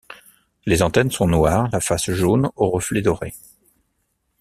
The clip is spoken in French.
Les antennes sont noires, la face jaune aux reflets dorés.